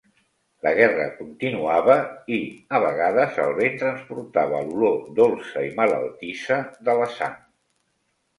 La guerra continuava i, a vegades, el vent transportava l'olor dolça i malaltissa de la sang.